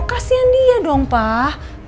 kasian dia dong pak